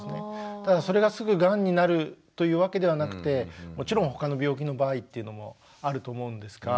ただそれがすぐがんになるというわけではなくてもちろん他の病気の場合っていうのもあると思うんですが。